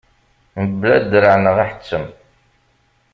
Mebla draɛ neɣ aḥettem.